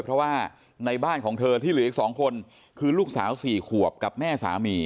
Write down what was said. เพราะว่าในบ้านของเธอที่เหลืออีก๒คนคือลูกสาว๔ขวบกับแม่สามี